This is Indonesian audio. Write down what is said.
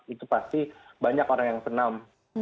itu pasti banyak orang yang senam